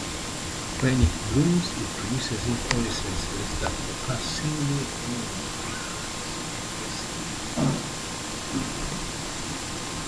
When it blooms it produces inflorescences that occur singly along rudimentary racemes.